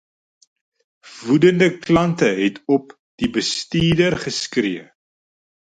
Woedende klante het op die bestuurder geskree.